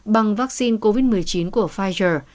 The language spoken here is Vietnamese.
bằng vaccine covid một mươi chín của pfizer